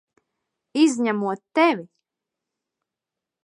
Izņemot tevi!